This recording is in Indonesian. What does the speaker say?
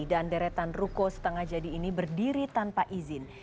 dan deretan ruko setengah jadi ini berdiri tanpa izin